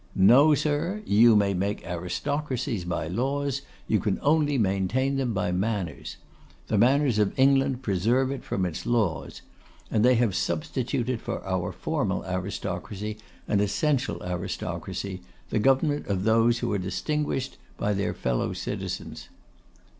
No, sir, you may make aristocracies by laws; you can only maintain them by manners. The manners of England preserve it from its laws. And they have substituted for our formal aristocracy an essential aristocracy; the government of those who are distinguished by their fellow citizens.